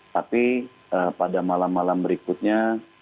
tapi pada malam malam berikutnya